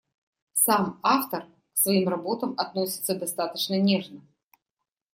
Сам автор к своим работам относится достаточно нежно.